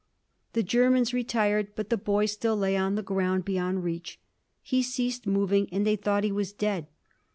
The Germans retired, but the boy still lay on the ground, beyond reach. He ceased moving, and they thought he was dead.